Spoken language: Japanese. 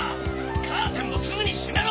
カーテンもすぐに閉めろ！